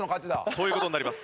そういう事になります。